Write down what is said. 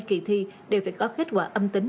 kỳ thi đều phải có kết quả âm tính